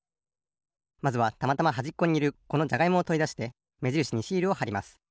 まずはたまたまはじっこにいるこのじゃがいもをとりだしてめじるしにシールをはります。